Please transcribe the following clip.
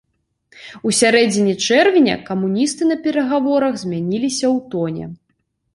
У сярэдзіне чэрвеня камуністы на перагаворах змяніліся ў тоне.